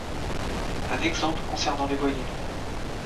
Un exemple concernant les voyelles.